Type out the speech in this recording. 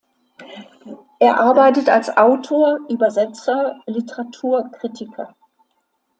Er arbeitet als Autor, Übersetzer, Literaturkritiker.